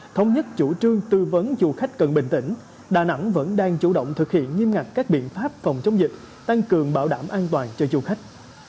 thống nhất chủ trương tư vấn du khách cần bình tĩnh đà nẵng vẫn đang chủ động thực hiện nghiêm ngặt các biện pháp phòng chống dịch tăng cường bảo đảm an toàn cho du khách